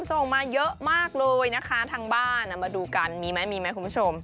ส่งมาเยอะมากเลยนะคะทางบ้านมาดูกันมีไหมมีไหมคุณผู้ชม